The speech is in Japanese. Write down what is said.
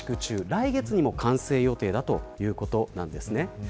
来月にも完成予定だということです。